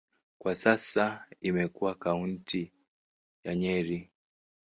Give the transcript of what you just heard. Kwa sasa imekuwa kaunti ya Nyeri.